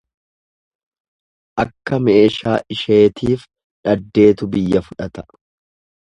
Akka meeshaa isheetiif dhaddeetu biyya fudhata.